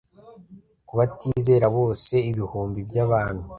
ku batizera bose, ibihumbi by'abantu